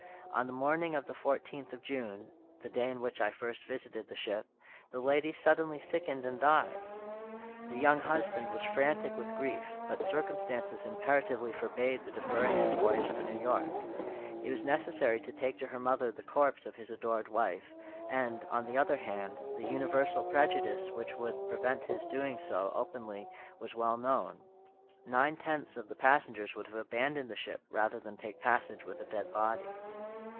On the morning of the fourteenth of June (the day in which I first visited the ship), the lady suddenly sickened and died. The young husband was frantic with grief, but circumstances imperatively forbade the deferring his voyage to New York. It was necessary to take to her mother the corpse of his adored wife, and, on the other hand, the universal prejudice which would prevent his doing so openly was well known. Nine tenths of the passengers would have abandoned the ship rather than take passage with a dead body.